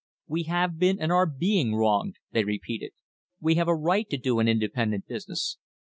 We have been and are being wronged, they repeated. We have a right to do an independent business.